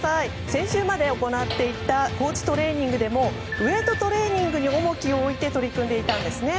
先週まで行っていた高地トレーニングでもウェイトトレーニングに重きを置いて取り組んでいたんですね。